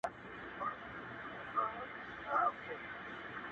د شعر ښايست خو ټولـ فريادي كي پاتــه سـوى،